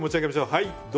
はい。